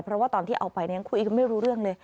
เพราะว่าตอนที่เอาไปยังคุยกันไม่รู้เรื่องเลย